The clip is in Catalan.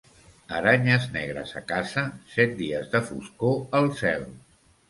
Aranyes negres a casa, set dies de foscor al cel.